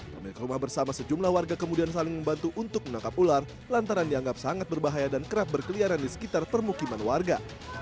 pemilik rumah bersama sejumlah warga kemudian saling membantu untuk menangkap ular lantaran dianggap sangat berbahaya dan kerap berkeliaran di sekitar permukiman warga